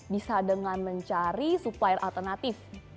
bisa dengan mencari supplier alternatif